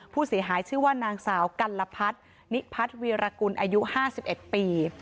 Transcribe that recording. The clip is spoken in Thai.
ผู้เสียหายชื่อว่านางสาวกัลพัฒนิพัฒน์วีรกุลอายุ๕๑ปี